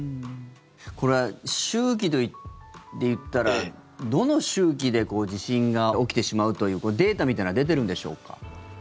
これは周期でいったらどの周期で地震が起きてしまうというデータみたいなのは出てるんでしょうか？